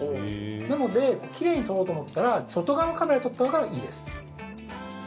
なのできれいに撮ろうと思ったら外側のカメラで撮った方がいいです。